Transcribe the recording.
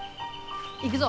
行くぞ。